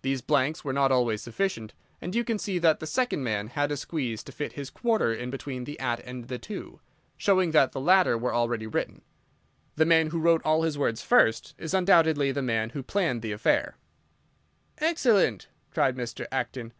These blanks were not always sufficient, and you can see that the second man had a squeeze to fit his 'quarter' in between the 'at' and the 'to,' showing that the latter were already written. The man who wrote all his words first is undoubtedly the man who planned the affair." "Excellent!" cried Mr. Acton.